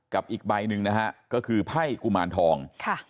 อีกใบหนึ่งนะฮะก็คือไพ่กุมารทองค่ะ